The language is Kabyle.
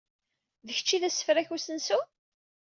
D kečč i d asefrak n usensu?